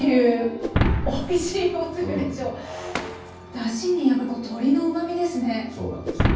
だしにやっぱり鶏のうまみですね。